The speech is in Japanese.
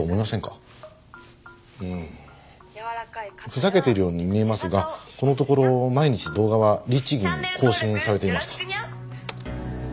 ふざけているように見えますがこのところ毎日動画は律義に更新されていました。